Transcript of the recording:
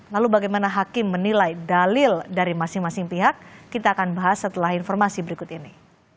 lalu bagaimana hakim menilai dalil dari masing masing pihak kita akan bahas setelah informasi berikut ini